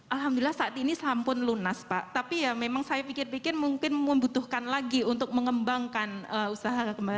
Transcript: alhamdulillah saat ini sampun lunas pak tapi ya memang saya pikir pikir mungkin membutuhkan lagi untuk mengembangkan usaha kembali